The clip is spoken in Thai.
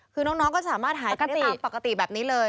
คือน้องก็สามารถหายกันได้ตามปกติแบบนี้เลย